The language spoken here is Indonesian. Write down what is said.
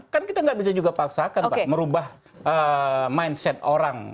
kan kita nggak bisa juga paksakan pak merubah mindset orang